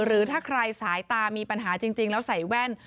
หรือถ้าใครสายตามีปัญหาจริงแล้วใส่แว่น